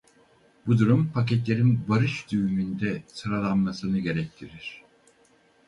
Bu durum paketlerin varış düğümünde sıralanmasını gerektirir.